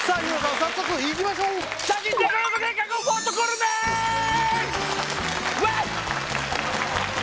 早速いきましょうワオ！